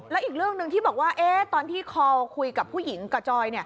แล้วอีกเรื่องหนึ่งที่บอกว่าตอนที่คอลคุยกับผู้หญิงกับจอย